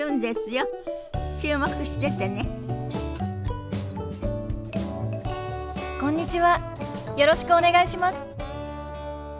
よろしくお願いします。